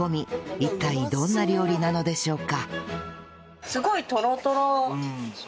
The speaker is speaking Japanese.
一体どんな料理なのでしょうか？